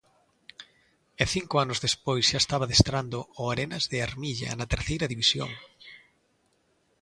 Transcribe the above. E cinco anos despois xa estaba adestrando o Arenas de Armilla, na Terceira División.